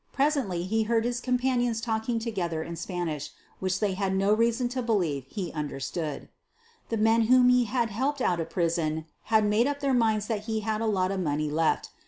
Presently he heard his companions talking together in Spanish, which they had no reason to believe he understood. The men whom he had helped out of prison had made up their minds that he had a lot of money left.